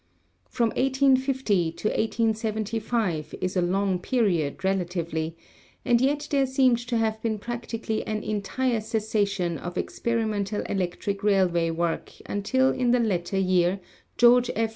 From 1850 to 1875 is a long period relatively, and yet there seemed to have been practically an entire cessation of experimental electric railway work until in the latter year George F.